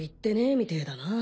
みてぇだな。